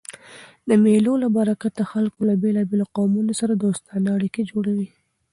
د مېلو له برکته خلک له بېلابېلو قومو سره دوستانه اړيکي جوړوي.